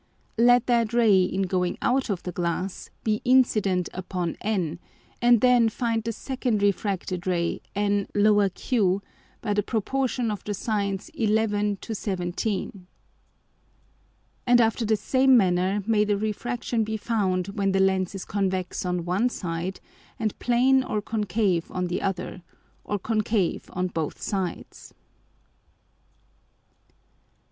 Let that Ray in going out of the Glass be incident upon N, and then find the second refracted Ray N_q_ by the Proportion of the Sines 11 to 17. And after the same manner may the Refraction be found when the Lens is convex on one side and plane or concave on the other, or concave on both sides.